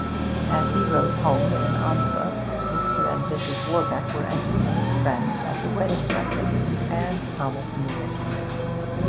As he rode home in an omnibus Mr. and Mrs. Warbeck were entertaining friends at the wedding breakfast, and Thomas knew it.